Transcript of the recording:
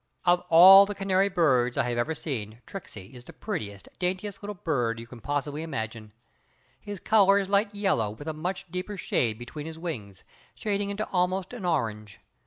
Of all the canary birds I have ever seen Tricksey is the prettiest, daintiest little bird you can possibly imagine. His color is light yellow with a much deeper shade between his wings, shading into almost an orange.